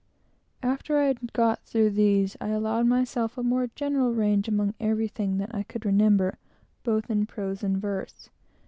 After I had got through these, I allowed myself a more general range among everything that I could remember, both in prose and verse.